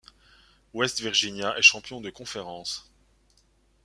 West Virginia est champion de conférences.